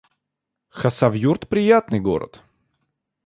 Хасавюрт — приятный город